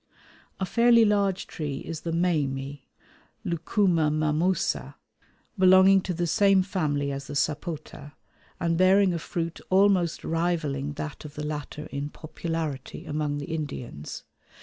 A fairly large tree is the mamey (Lucuma mammosa), belonging to the same family as the sapota, and bearing a fruit almost rivalling that of the latter in popularity among the Indians.